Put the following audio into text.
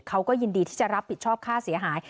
เขาก็ยินดีที่จะรับผิดชอบค่าเสียหาย